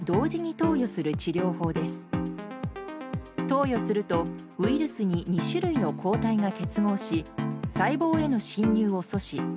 投与するとウイルスに２種類の抗体が結合し細胞への侵入を阻止。